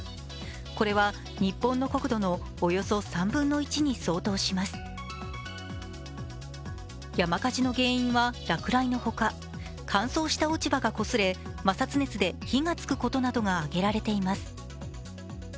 これは日本の国土のおよそ３分の１に相当します山火事の原因は落雷のほか、乾燥した落ち葉がこすれ、摩擦熱で火がつくことなどが挙げられています。